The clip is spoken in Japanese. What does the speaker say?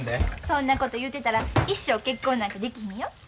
そんなこと言うてたら一生結婚なんかできひんよ。